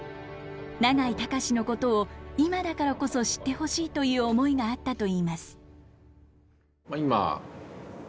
永井隆のことを今だからこそ知ってほしいという思いがあったといいます。